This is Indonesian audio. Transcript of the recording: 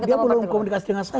dia belum komunikasi dengan saya